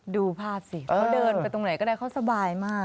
ดูภาพสิเขาเดินไปตรงไหนก็ได้เขาสบายมาก